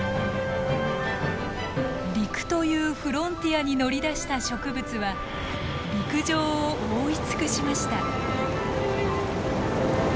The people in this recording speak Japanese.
陸というフロンティアに乗り出した植物は陸上を覆い尽くしました。